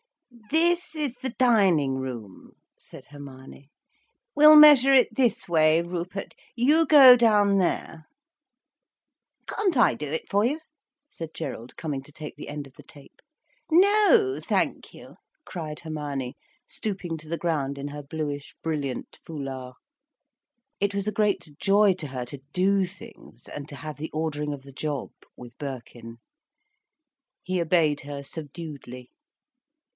"This is the dining room," said Hermione. "We'll measure it this way, Rupert—you go down there—" "Can't I do it for you," said Gerald, coming to take the end of the tape. "No, thank you," cried Hermione, stooping to the ground in her bluish, brilliant foulard. It was a great joy to her to do things, and to have the ordering of the job, with Birkin. He obeyed her subduedly.